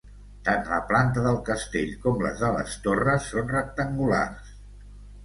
Tant la planta del castell com la de les torres són rectangulars.